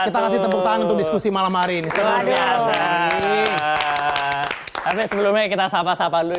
kita kasih tepuk tangan untuk diskusi malam hari ini silahkan tapi sebelumnya kita sapa sapa dulu